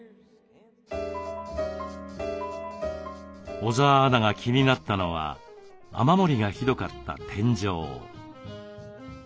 小澤アナが気になったのは雨漏りがひどかった天井。